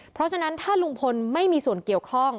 เพราะฉะนั้นถ้าลุงพลไม่มีส่วนเกี่ยวข้อง